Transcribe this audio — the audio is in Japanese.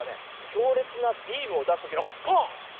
きょうれつなビームをだすときの「パー！」。